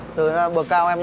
từ bờ cao em nhé